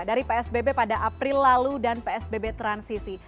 dari psbb pada april lalu dan psbb transisi